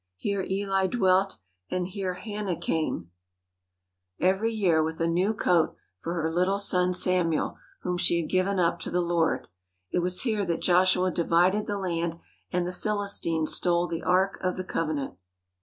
Here Eli dwelt and here Hannah came 155 THE HOLY LAND AND SYRIA every year with a new coat for her little son Samuel, whom she had given up to the Lord. It was here that Joshua divided the land and the Philistines stole the Ark of the Covenant.